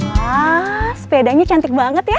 wah sepedanya cantik banget ya